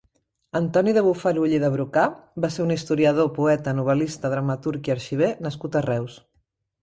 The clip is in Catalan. Antoni de Bofarull i de Brocà va ser un historiador, poeta, novel·lista, dramaturg i arxiver nascut a Reus.